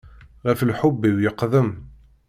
Ɣef lḥub-iw yeqdem.